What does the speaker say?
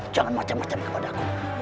jangan macam macam kepadaku